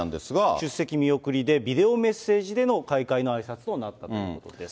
出席見送りで、ビデオメッセージでの開会のあいさつとなったということです。